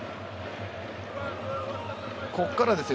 ここからですよ。